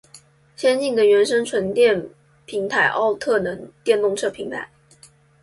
先进的原生纯电平台奥特能电动车平台